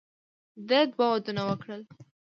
ده دوه ودونه وکړل.